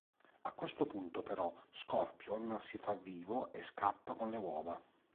A questo punto, però, Scorpion si fa vivo e scappa con le uova.